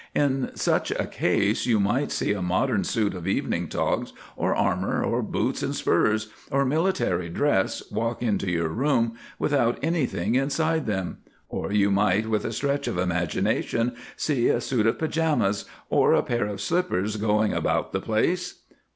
In such a case you might see a modern suit of evening togs, or armour, or boots and spurs, or military dress walk into your room without anything inside them; or you might, with a stretch of imagination, see a suit of pyjamas, or a pair of slippers going about the place."